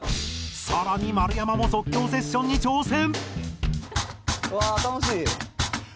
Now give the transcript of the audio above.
更に丸山も即興セッションに挑戦！